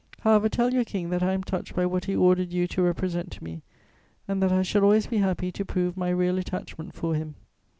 However, tell your King that I am touched by what he ordered you to represent to me, and that I shall always be happy to prove my real attachment for him."